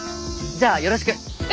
じゃあよろしく！え？